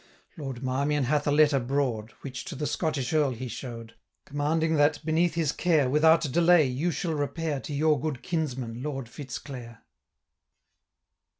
Lord Marmion hath a letter broad, Which to the Scottish Earl he show'd, Commanding, that, beneath his care, Without delay, you shall repair 865 To your good kinsman, Lord Fitz Clare.'